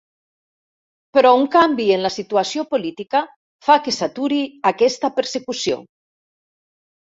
Però un canvi en la situació política fa que s'aturi aquesta persecució.